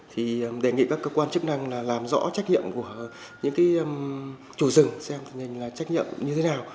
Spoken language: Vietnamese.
thì đề nghị các cơ quan chức năng làm rõ trách nhiệm của những chủ rừng xem trách nhiệm như thế nào